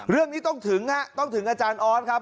เรื่องนี้ต้องถึงฮะต้องถึงอาจารย์ออสครับ